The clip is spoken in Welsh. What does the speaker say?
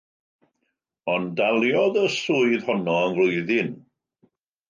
Ond daliodd y swydd honno am flwyddyn.